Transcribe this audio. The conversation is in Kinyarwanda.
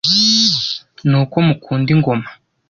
ni uko mukunda ingoma